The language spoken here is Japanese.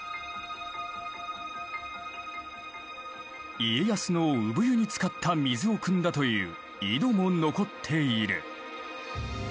家康の産湯に使った水をくんだという井戸も残っている。